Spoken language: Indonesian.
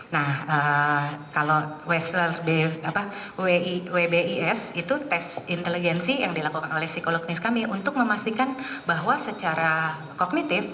nah kalau west wbis itu tes inteligensi yang dilakukan oleh psikologis kami untuk memastikan bahwa secara kognitif